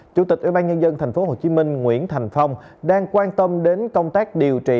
chủ tịch ủy ban nhân dân thành phố hồ chí minh nguyễn thành phong đang quan tâm đến công tác điều trị